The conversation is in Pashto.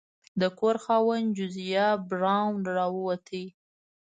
د کور خاوند جوزیا براون راووت.